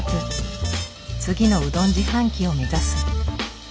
次のうどん自販機を目指す。